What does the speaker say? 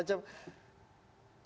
nah itu maksudnya apa pak ferry